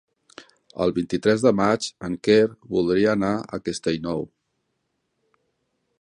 El vint-i-tres de maig en Quer voldria anar a Castellnou.